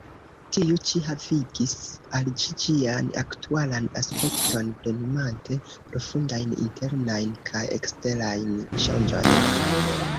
Tiu-ĉi havigis al ĝi ĝian aktualan aspekton, plenumante profundajn internajn kaj eksterajn ŝanĝojn.